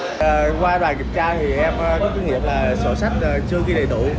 và qua đoàn kiểm tra thì em có kinh nghiệm là sổ sách chưa ghi đầy đủ